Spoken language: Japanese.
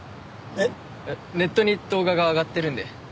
えっネットに動画が上がってるんで。